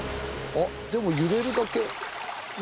あっでも揺れるだけ。